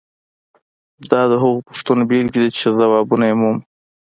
دا د هغو پوښتنو بیلګې دي چې ځوابونه یې مومو.